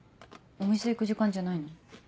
お店行く時間じゃないの？